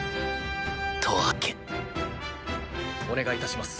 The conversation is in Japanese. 十朱お願いいたします。